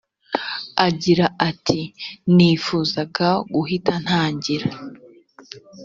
agira ati nifuzaga guhita ntangira